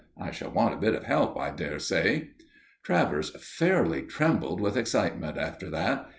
I shall want a bit of help, I dare say." Travers fairly trembled with excitement after that.